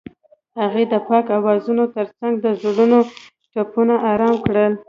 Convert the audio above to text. هغې د پاک اوازونو ترڅنګ د زړونو ټپونه آرام کړل.